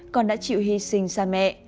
con đã chịu hy sinh xa mẹ